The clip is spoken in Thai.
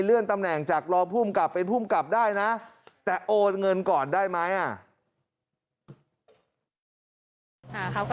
ตำแหน่งจากรองภูมิกับเป็นภูมิกับได้นะแต่โอนเงินก่อนได้ไหม